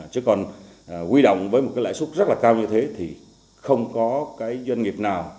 chứ còn huy động với một cái lãi suất rất là cao như thế thì không có cái doanh nghiệp nào